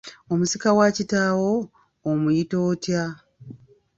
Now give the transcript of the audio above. Omusika wa kitaawo, omuyita otya?